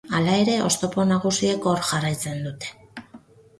Hala ere, oztopo nagusiek hor jarraitzen dute.